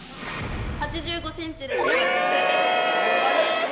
８５ｃｍですえっ！